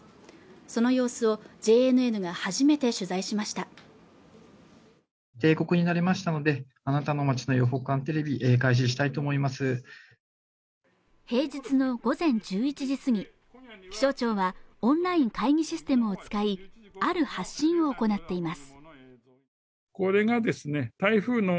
その様子をＪＮＮが初めて取材しました平日の午前１１時過ぎ気象庁はオンライン会議システムを使いある発信を行っています